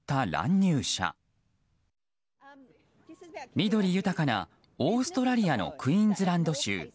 緑豊かなオーストラリアのクイーンズランド州。